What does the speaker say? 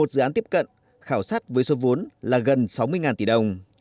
một mươi một dự án tiếp cận khảo sát với số vốn là gần sáu mươi tỷ đồng